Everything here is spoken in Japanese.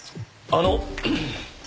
あの。